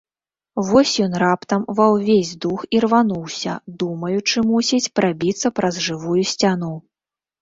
Вось ён раптам ва ўвесь дух ірвануўся, думаючы, мусіць, прабіцца праз жывую сцяну.